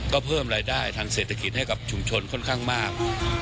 ก็เพิ่มรายได้ทางเศรษฐกิจให้กับชุมชนค่อนข้างมาก